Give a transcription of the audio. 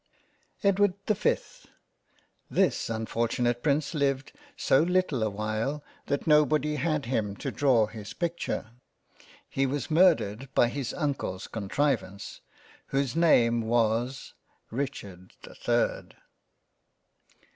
EDWARD the 5th THIS unfortunate Prince lived so little a while that nobody had him to draw his picture. He was mur dered by his Uncle's Contrivance, whose name was Richard the 3rd.